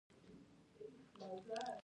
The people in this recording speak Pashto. عطاييد پښتو معاصر ادب ته نوې روح ورکړې ده.